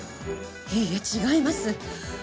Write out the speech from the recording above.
いいえ違います！